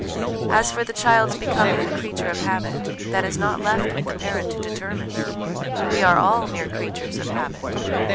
As for the child's becoming the creature of habit, that is not left with the parent to determine. We are all mere creatures of habit.